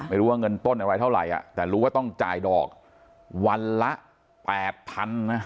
ไม่รู้ว่าเงินต้นอะไรเท่าไหร่แต่รู้ว่าต้องจ่ายดอกวันละ๘๐๐๐นะ